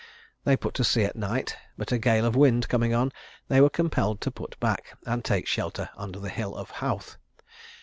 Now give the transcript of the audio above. They put to sea at night; but a gale of wind coming on, they were compelled to put back, and take shelter under the Hill of Howth.